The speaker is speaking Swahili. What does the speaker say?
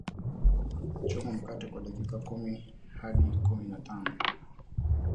choma mkate kwa dakika kumi hadi kumi na tano